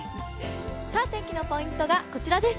天気のポイントがこちらです。